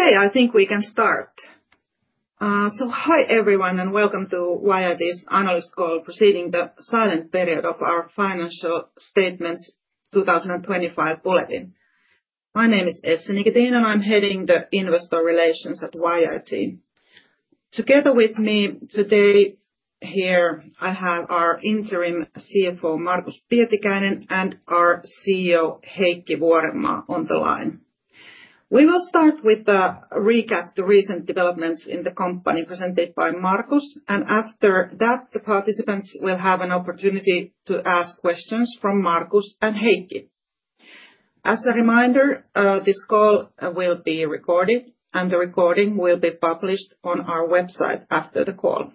Okay, I think we can start. So hi everyone and welcome to YIT's Analyst Call, proceeding the silent period of our financial statements 2025 bulletin. My name is Essi Nikitin and I'm heading the Investor Relations at YIT. Together with me today here, I have our interim CFO Markus Pietikäinen and our CEO Heikki Vuorenmaa on the line. We will start with a recap of the recent developments in the company presented by Markus, and after that, the participants will have an opportunity to ask questions from Markus and Heikki. As a reminder, this call will be recorded and the recording will be published on our website after the call.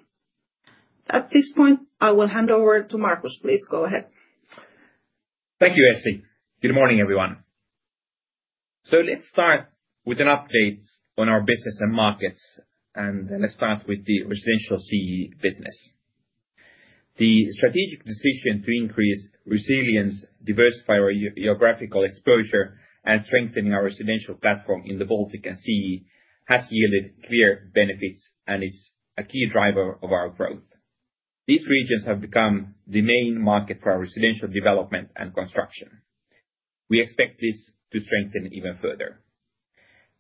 At this point, I will hand over to Markus. Please go ahead. Thank you, Essi. Good morning, everyone. So let's start with an update on our business and markets, and let's start with the Residential CEE business. The strategic decision to increase resilience, diversify our geographical exposure, and strengthen our residential platform in the Baltic and CEE has yielded clear benefits and is a key driver of our growth. These regions have become the main market for our residential development and construction. We expect this to strengthen even further.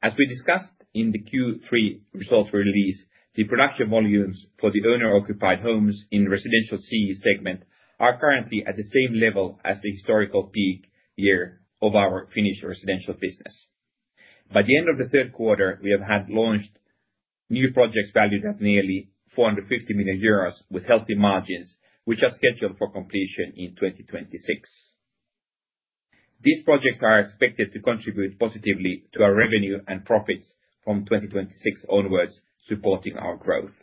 As we discussed in the Q3 results release, the production volumes for the owner-occupied homes in the residential CE segment are currently at the same level as the historical peak year of our Finnish residential business. By the end of the third quarter, we have had launched new projects valued at nearly 450 million euros with healthy margins, which are scheduled for completion in 2026. These projects are expected to contribute positively to our revenue and profits from 2026 onwards, supporting our growth.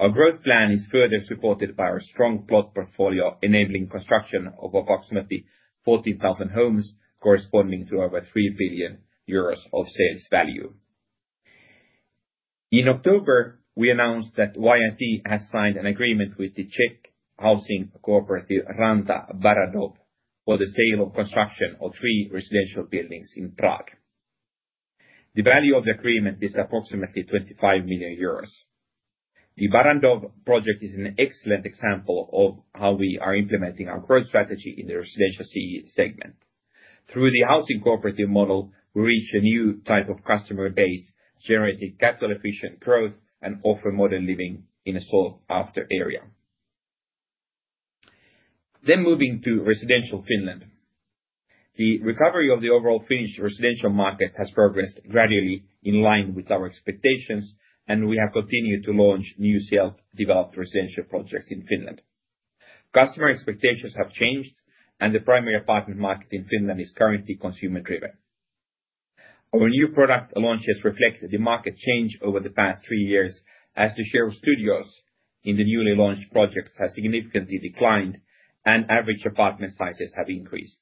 Our growth plan is further supported by our strong plot portfolio, enabling construction of approximately 14,000 homes corresponding to over 3 billion euros of sales value. In October, we announced that YIT has signed an agreement with the Czech housing cooperative Ranta Barrandov for the sale of construction of three residential buildings in Prague. The value of the agreement is approximately 25 million euros. The Barrandov project is an excellent example of how we are implementing our growth strategy in the Residential CE segment. Through the housing cooperative model, we reach a new type of customer base, generating capital-efficient growth and offer modern living in a sought-after area. Then moving to Residential Finland. The recovery of the overall Finnish residential market has progressed gradually in line with our expectations, and we have continued to launch new self-developed residential projects in Finland. Customer expectations have changed, and the primary apartment market in Finland is currently consumer-driven. Our new product launches reflect the market change over the past three years, as the share of studios in the newly launched projects has significantly declined and average apartment sizes have increased.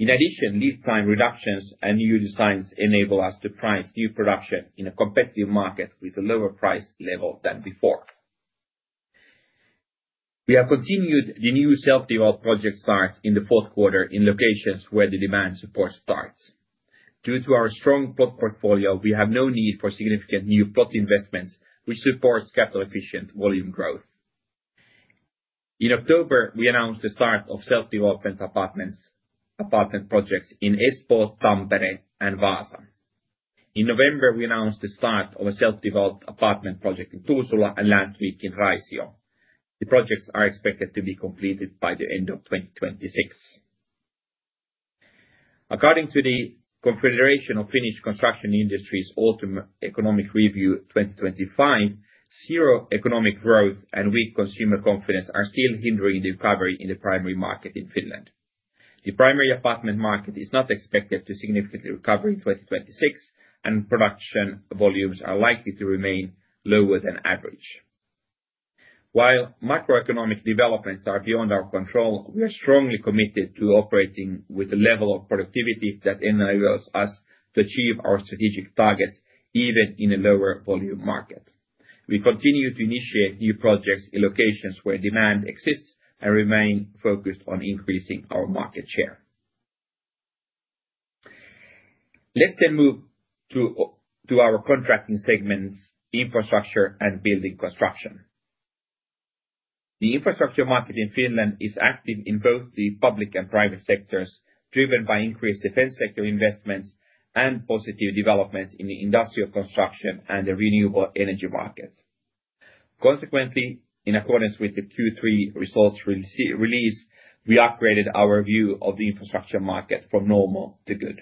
In addition, lead time reductions and new designs enable us to price new production in a competitive market with a lower price level than before. We have continued the new self-developed project starts in the fourth quarter in locations where the demand support starts. Due to our strong plot portfolio, we have no need for significant new plot investments, which supports capital-efficient volume growth. In October, we announced the start of self-development apartment projects in Espoo, Tampere, and Vaasa. In November, we announced the start of a self-developed apartment project in Tuusula and last week in Raisio. The projects are expected to be completed by the end of 2026. According to the Confederation of Finnish Construction Industries' Autumn Economic Review 2025, zero economic growth and weak consumer confidence are still hindering the recovery in the primary market in Finland. The primary apartment market is not expected to significantly recover in 2026, and production volumes are likely to remain lower than average. While macroeconomic developments are beyond our control, we are strongly committed to operating with a level of productivity that enables us to achieve our strategic targets even in a lower volume market. We continue to initiate new projects in locations where demand exists and remain focused on increasing our market share. Let's then move to our contracting segments, infrastructure and building construction. The infrastructure market in Finland is active in both the public and private sectors, driven by increased defense sector investments and positive developments in the industrial construction and the renewable energy market. Consequently, in accordance with the Q3 results release, we upgraded our view of the infrastructure market from normal to good.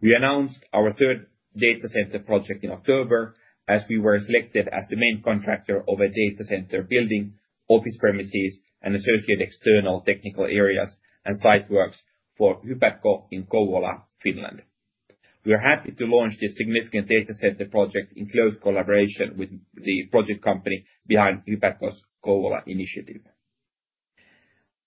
We announced our third data center project in October as we were selected as the main contractor of a data center building, office premises, and associated external technical areas and site works for Hyperco in Kouvola, Finland. We are happy to launch this significant data center project in close collaboration with the project company behind Hyperco's Kouvola initiative.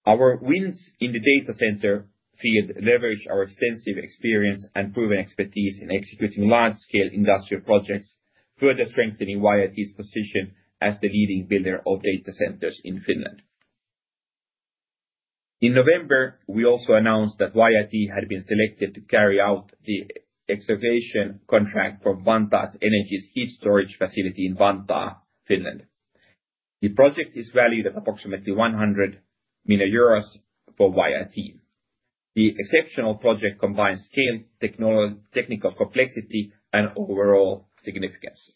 Our wins in the data center field leverage our extensive experience and proven expertise in executing large-scale industrial projects, further strengthening YIT's position as the leading builder of data centers in Finland. In November, we also announced that YIT had been selected to carry out the excavation contract for Vantaa Energy's heat storage facility in Vantaa, Finland. The project is valued at approximately 100 million euros for YIT. The exceptional project combines scale, technical complexity, and overall significance.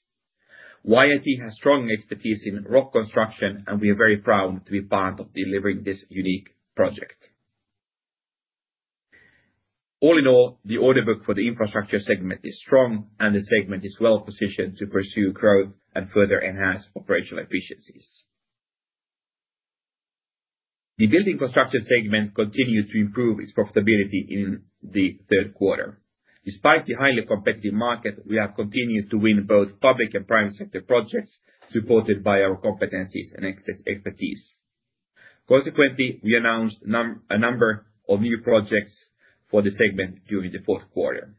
YIT has strong expertise in rock construction, and we are very proud to be part of delivering this unique project. All in all, the order book for the infrastructure segment is strong, and the segment is well positioned to pursue growth and further enhance operational efficiencies. The building construction segment continued to improve its profitability in the third quarter. Despite the highly competitive market, we have continued to win both public and private sector projects supported by our competencies and expertise. Consequently, we announced a number of new projects for the segment during the fourth quarter.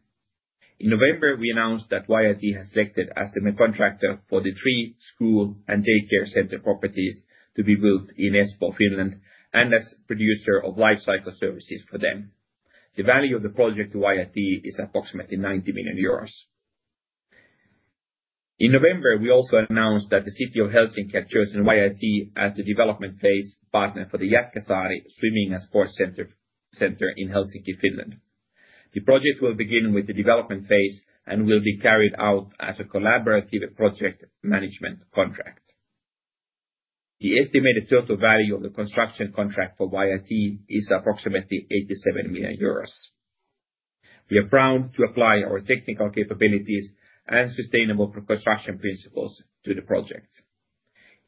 In November, we announced that YIT has selected as the main contractor for the three school and daycare center properties to be built in Espoo, Finland, and as producer of life cycle services for them. The value of the project to YIT is approximately 90 million euros. In November, we also announced that the City of Helsinki had chosen YIT as the development phase partner for the Jätkäsaari Swimming and Sports Center in Helsinki, Finland. The project will begin with the development phase and will be carried out as a collaborative project management contract. The estimated total value of the construction contract for YIT is approximately 87 million euros. We are proud to apply our technical capabilities and sustainable construction principles to the project.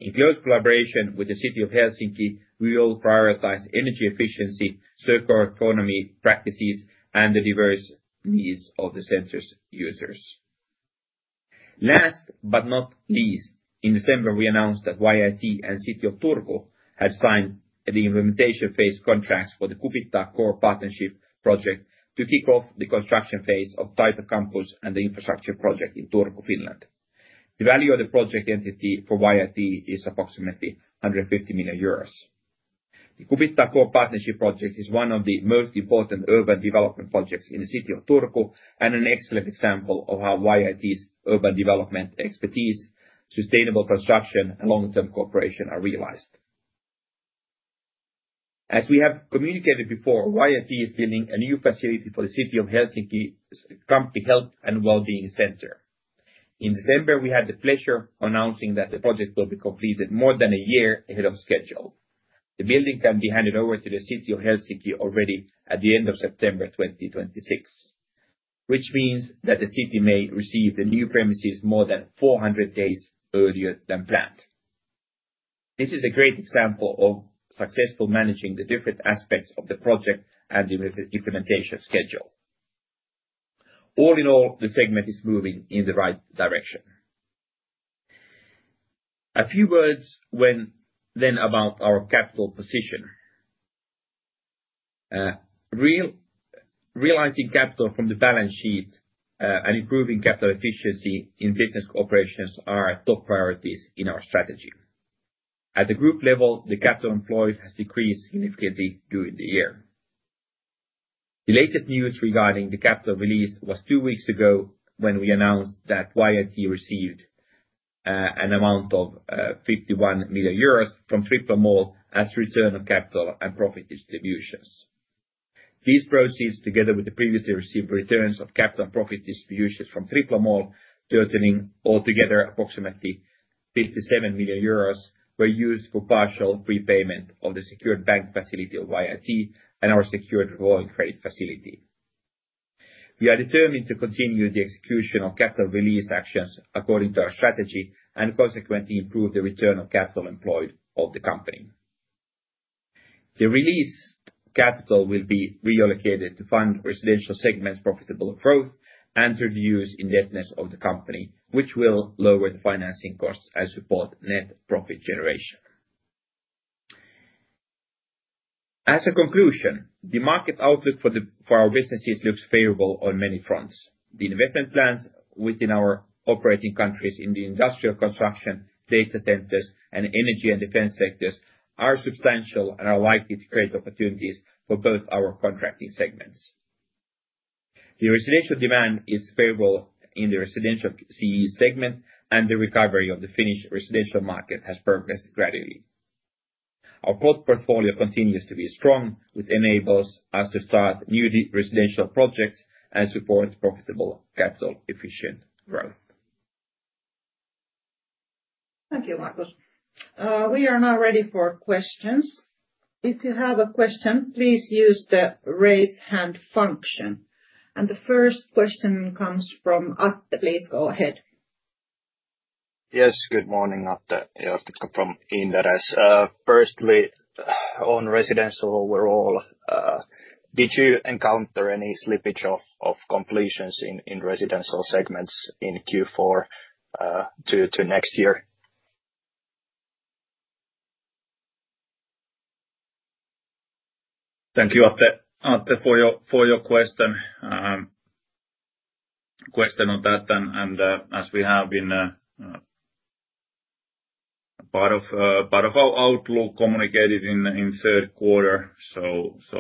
In close collaboration with the City of Helsinki, we will prioritize energy efficiency, circular economy practices, and the diverse needs of the center's users. Last but not least, in December, we announced that YIT and City of Turku had signed the implementation phase contracts for the Kupittaa Core Partnership project to kick off the construction phase of Taito Campus and the infrastructure project in Turku, Finland. The value of the project entity for YIT is approximately 150 million euros. The Kupittaa Core Partnership project is one of the most important urban development projects in the City of Turku and an excellent example of how YIT's urban development expertise, sustainable construction, and long-term cooperation are realized. As we have communicated before, YIT is building a new facility for the city of Helsinki's Kamppi Health and Well-being Center. In December, we had the pleasure of announcing that the project will be completed more than a year ahead of schedule. The building can be handed over to the city of Helsinki already at the end of September 2026, which means that the city may receive the new premises more than 400 days earlier than planned. This is a great example of successful managing the different aspects of the project and the implementation schedule. All in all, the segment is moving in the right direction. A few words then about our capital position. Realizing capital from the balance sheet and improving capital efficiency in business operations are top priorities in our strategy. At the group level, the capital employed has decreased significantly during the year. The latest news regarding the capital release was two weeks ago when we announced that YIT received an amount of 51 million euros from Tripla Mall as return of capital and profit distributions. These proceeds, together with the previously received returns of capital and profit distributions from Tripla Mall, totaling altogether approximately 57 million euros, were used for partial prepayment of the secured bank facility of YIT and our secured revolving credit facility. We are determined to continue the execution of capital release actions according to our strategy and consequently improve the return of capital employed of the company. The released capital will be reallocated to fund residential segments' profitable growth and reduce indebtedness of the company, which will lower the financing costs and support net profit generation. As a conclusion, the market outlook for our businesses looks favorable on many fronts. The investment plans within our operating countries in the industrial construction, data centers, and energy and defense sectors are substantial and are likely to create opportunities for both our contracting segments. The residential demand is favorable in the Residential CE segment, and the recovery of the Finnish residential market has progressed gradually. Our plot portfolio continues to be strong, which enables us to start new residential projects and support profitable capital-efficient growth. Thank you, Markus. We are now ready for questions. If you have a question, please use the raise hand function. The first question comes from Atte. Please go ahead. Yes, good morning, Atte. Riikola from Inderes. Firstly, on residential overall, did you encounter any slippage of completions in residential segments in Q4 to next year? Thank you, Atte, for your question. Question on that, and as we have been part of our outlook communicated in third quarter, so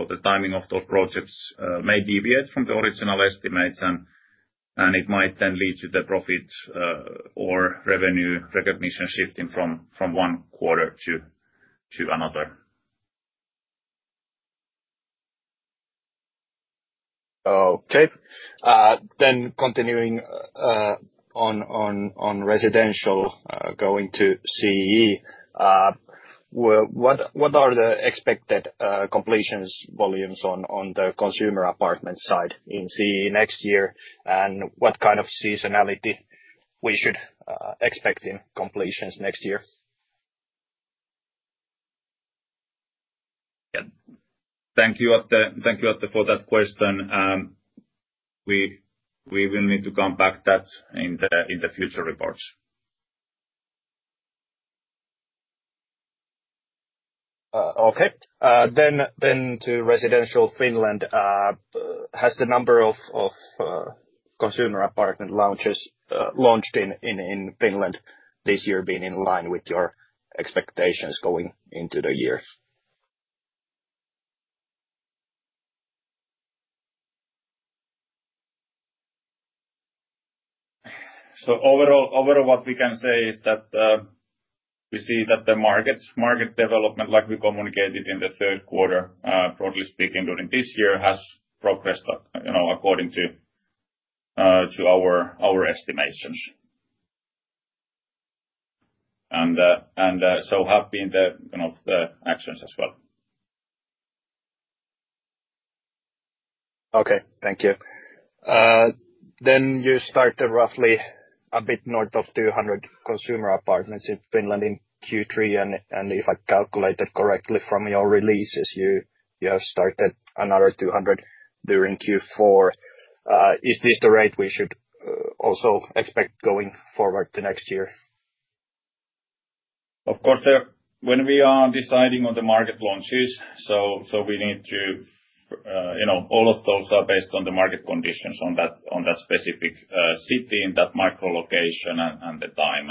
the timing of those projects may deviate from the original estimates, and it might then lead to the profit or revenue recognition shifting from one quarter to another. Okay. Then continuing on residential going to CE, what are the expected completions volumes on the consumer apartment side in CE next year, and what kind of seasonality we should expect in completions next year? Thank you, Atte, for that question. We will need to come back to that in the future reports. Okay. Then to residential Finland. Has the number of consumer apartment launches launched in Finland this year been in line with your expectations going into the year? Overall, what we can say is that we see that the market development, like we communicated in the third quarter, broadly speaking during this year, has progressed according to our estimations. So have been the actions as well. Okay, thank you. Then you started roughly a bit north of 200 consumer apartments in Finland in Q3, and if I calculated correctly from your releases, you have started another 200 during Q4. Is this the rate we should also expect going forward to next year? Of course, when we are deciding on the market launches, so we need to. All of those are based on the market conditions on that specific city in that micro location and the time.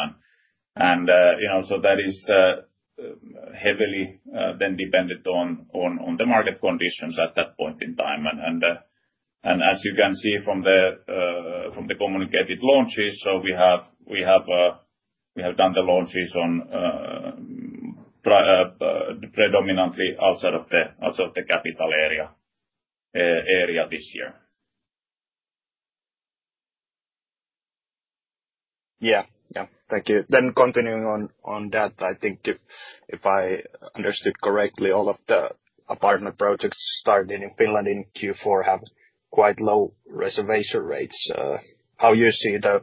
And so that is heavily then dependent on the market conditions at that point in time. And as you can see from the communicated launches, so we have done the launches predominantly outside of the capital area this year. Yeah, yeah, thank you. Continuing on that, I think if I understood correctly, all of the apartment projects started in Finland in Q4 have quite low reservation rates. How do you see the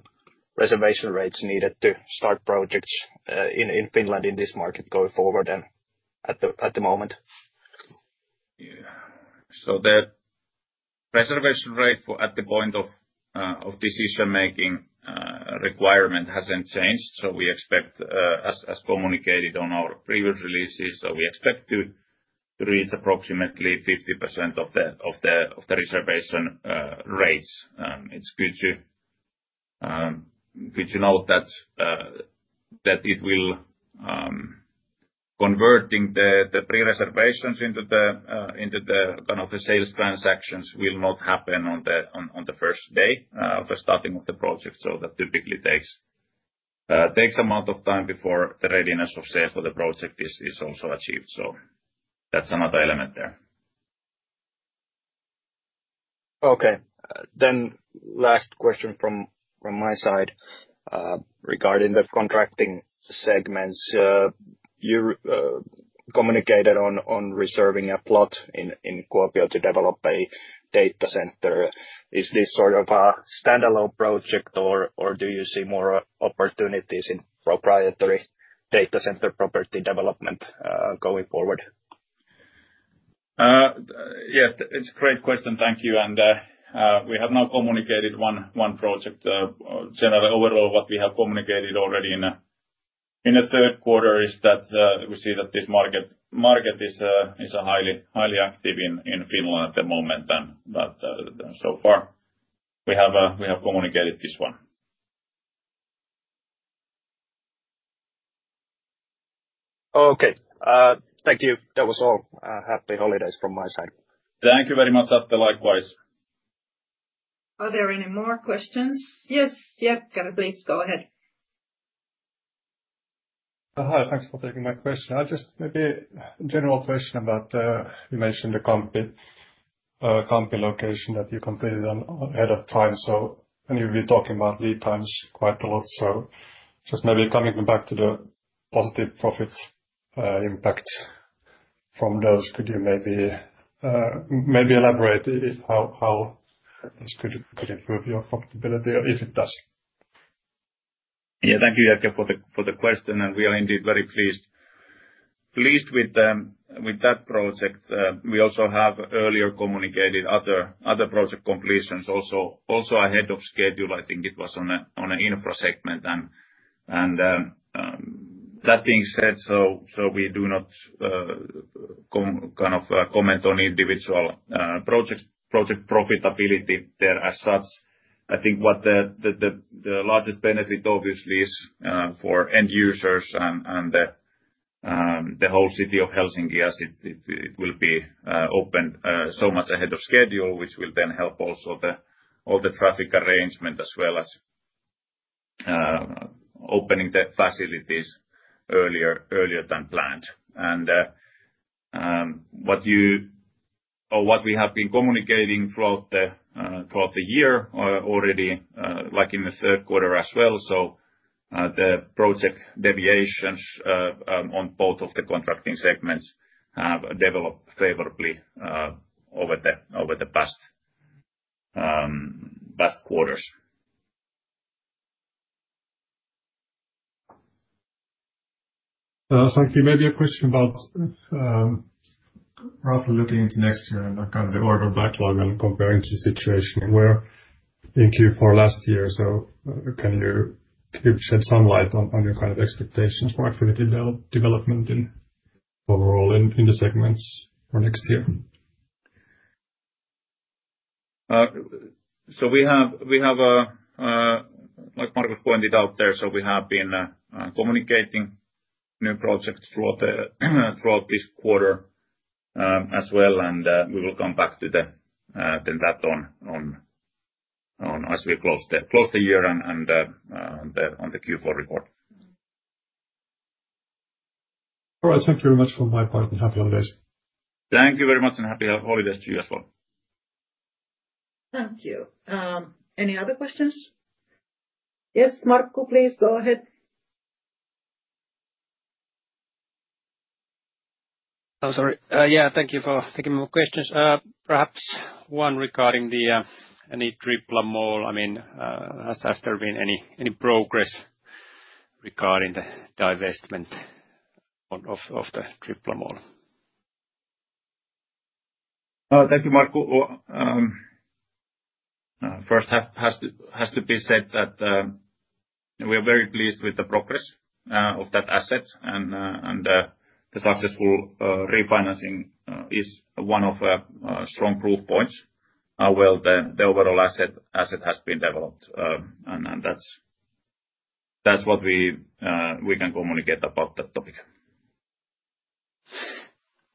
reservation rates needed to start projects in Finland in this market going forward at the moment? The reservation rate at the point of decision-making requirement hasn't changed. We expect, as communicated on our previous releases, so we expect to reach approximately 50% of the reservation rates. It's good to note that converting the pre-reservations into the sales transactions will not happen on the first day of the starting of the project. That's another element there. Okay. Then last question from my side regarding the contracting segments. You communicated on reserving a plot in Kuopio to develop a data center. Is this sort of a standalone project, or do you see more opportunities in proprietary data center property development going forward? Yeah, it's a great question. Thank you. And we have now communicated one project. Overall, what we have communicated already in the third quarter is that we see that this market is highly active in Finland at the moment. And so far, we have communicated this one. Okay. Thank you. That was all. Happy holidays from my side. Thank you very much, Atte. Likewise. Are there any more questions? Yes, Jaakko Tyrväinen, please go ahead. Hi, thanks for taking my question. I'll just maybe a general question about you mentioned the Kamppi location that you completed ahead of time. So I knew we were talking about lead times quite a lot. So just maybe coming back to the positive profit impact from those, could you maybe elaborate how this could improve your profitability or if it does? Yeah, thank you, Jaakko, for the question. We are indeed very pleased with that project. We also have earlier communicated other project completions also ahead of schedule. I think it was on an infra segment. That being said, so we do not kind of comment on individual project profitability there as such. I think what the largest benefit obviously is for end users and the whole City of Helsinki, as it will be opened so much ahead of schedule, which will then help also all the traffic arrangement as well as opening the facilities earlier than planned. What we have been communicating throughout the year already, like in the third quarter as well, so the project deviations on both of the contracting segments have developed favorably over the past quarters. Thank you. Maybe a question about roughly looking into next year and kind of the order backlog and comparing to the situation where in Q4 last year. So can you shed some light on your kind of expectations for activity development overall in the segments for next year? We have, like Markus pointed out there, so we have been communicating new projects throughout this quarter as well. We will come back to that as we close the year and on the Q4 report. All right. Thank you very much from my part and happy holidays. Thank you very much and happy holidays to you as well. Thank you. Any other questions? Yes, Markku, please go ahead. Oh, sorry. Yeah, thank you for taking my questions. Perhaps one regarding the Tripla Mall. I mean, has there been any progress regarding the divestment of the Tripla Mall? Thank you, Markku. First, it has to be said that we are very pleased with the progress of that asset. The successful refinancing is one of strong proof points. Well, the overall asset has been developed. That's what we can communicate about that topic.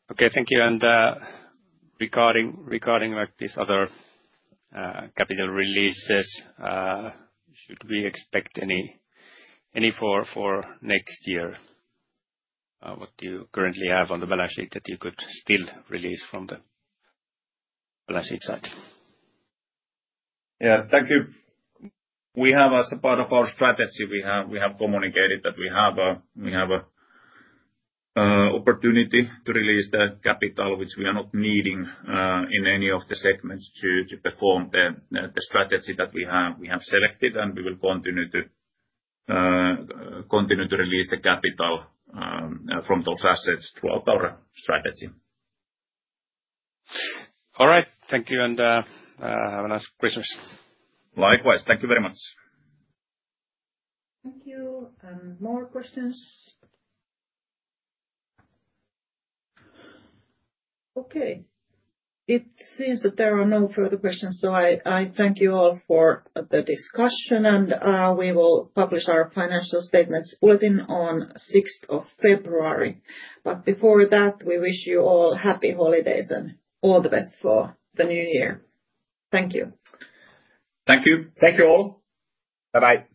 Okay, thank you. And regarding these other capital releases, should we expect any for next year? What do you currently have on the balance sheet that you could still release from the balance sheet side? Yeah, thank you. As a part of our strategy, we have communicated that we have an opportunity to release the capital, which we are not needing in any of the segments to perform the strategy that we have selected. We will continue to release the capital from those assets throughout our strategy. All right. Thank you. Have a nice Christmas. Likewise. Thank you very much. Thank you. More questions? Okay. It seems that there are no further questions. I thank you all for the discussion. We will publish our financial statements bulletin on 6th of February. Before that, we wish you all happy holidays and all the best for the new year. Thank you. Thank you. Thank you all. Bye-bye.